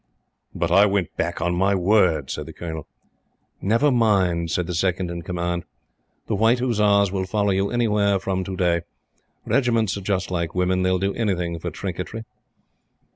"But I went back on my word," said the Colonel. "Never mind," said the Second in Command. "The White Hussars will follow you anywhere from to day. Regiment's are just like women. They will do anything for trinketry."